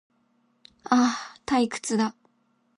ああ、退屈だ